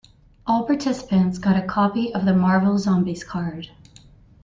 All participants got a copy of the Marvel Zombies card.